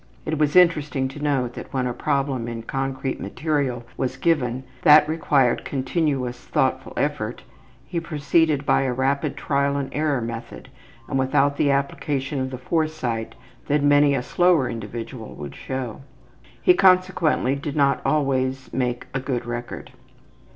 It was interesting to note that when a problem in concrete material was given that required continuous thoughtful effort he proceeded by a rapid trial and error method and without the application of the foresight that many a slower individual would show. He consequently did not always make a good record.